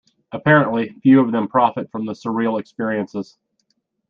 Apparently few of them profit from the surreal experiences.